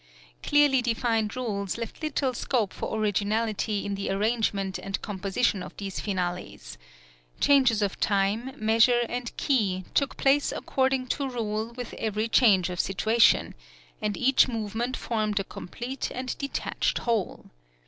Clearly defined rules left little scope for originality in the arrangement and composition of these finales. Changes of time, measure, and key took place according to rule with every change of situation; and each movement formed a complete and detached whole.